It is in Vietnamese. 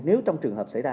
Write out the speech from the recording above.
nếu trong trường hợp xảy ra